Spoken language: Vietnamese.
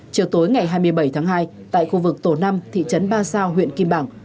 chiều tối ngày hai mươi bảy tháng hai tại khu vực tổ năm thị trấn ba sao huyện kim bảng